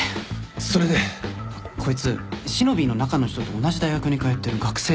それで？こいつしのびぃの中の人と同じ大学に通ってる学生で。